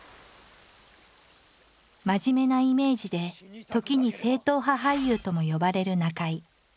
真面目なイメージで時に正統派俳優とも呼ばれる中井。